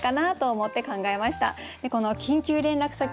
でこの「緊急連絡先」。